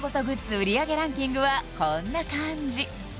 売り上げランキングはこんな感じ